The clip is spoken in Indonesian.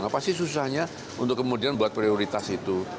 apa sih susahnya untuk kemudian buat prioritas itu